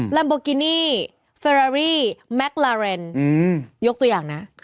ลัมโบกินี่เฟอรารี่แม็กลาเรนยกตัวอย่างนะ